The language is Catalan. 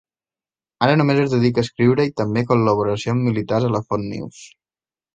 Ara només es dedica a escriure, i també col·laboracions militars a la Fox News.